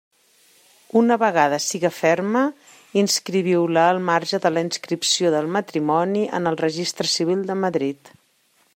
Una vegada siga ferma, inscriviu-la al marge de la inscripció del matrimoni en el Registre Civil de Madrid.